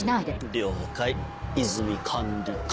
了解和泉管理官。